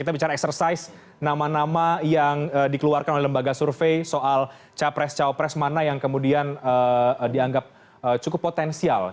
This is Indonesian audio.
kita bicara exercise nama nama yang dikeluarkan oleh lembaga survei soal capres cawapres mana yang kemudian dianggap cukup potensial